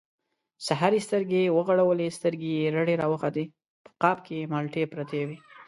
سهار يې سترګې ورغړولې، سترګې يې رډې راوختې، په غاب کې مالټې پرتې وې.